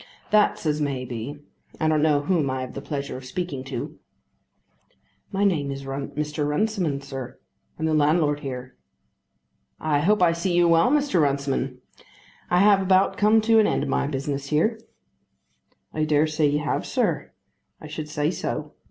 "That's as may be. I don't know whom I have the pleasure of speaking to." "My name is Runciman, sir. I'm the landlord here." "I hope I see you well, Mr. Runciman. I have about come to an end of my business here." "I dare say you have, sir. I should say so.